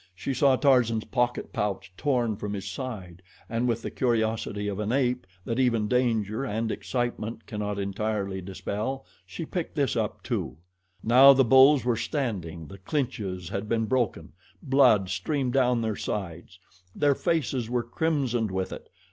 She saw Tarzan's pocket pouch torn from his side, and with the curiosity of an ape, that even danger and excitement cannot entirely dispel, she picked this up, too. Now the bulls were standing the clinches had been broken. Blood streamed down their sides their faces were crimsoned with it.